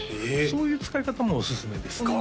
そういう使い方もおすすめですね